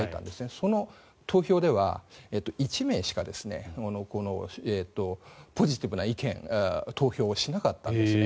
その投票では１名しかポジティブな意見の投票をしなかったんですね。